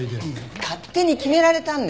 勝手に決められたんですよ！